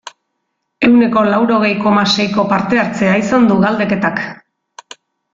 Ehuneko laurogei, koma, seiko parte-hartzea izan du galdeketak.